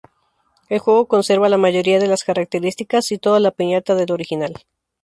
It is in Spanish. El juego conserva la mayoría de las características y toda la piñata del original.